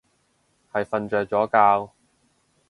係瞓着咗覺